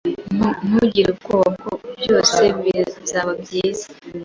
Ntugire ubwoba. Byose bizaba byiza.